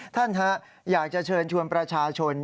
ท่านอยากจะเชิญชวนประชาชน